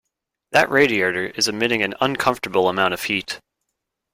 That radiator is emitting an uncomfortable amount of heat.